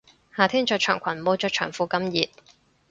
夏天着長裙冇着長褲咁熱